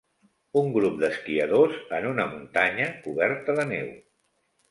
Un grup d'esquiadors en una muntanya coberta de neu.